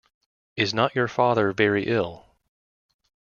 Is not your father very ill?